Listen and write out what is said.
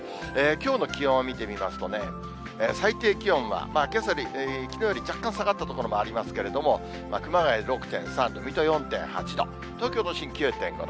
きょうの気温を見てみますとね、最低気温はきのうより若干下がった所がありますけれども、熊谷６．３度、水戸４．８度、東京都心９．５度。